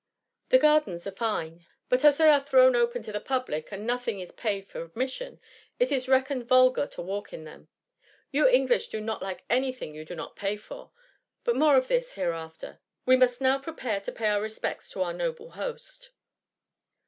" The gardens are fine/^ replied the doctor ;*' but as they are thrown open to the public, and nothing is paid for admission, it is reckon ed vulgar to walk in them. You English do not like any thing you do not pay for; but more of this hereafter. We must now prepare to pay our respects to our noble host.'